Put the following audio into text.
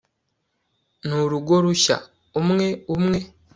ni urugo rushya, umwe umwe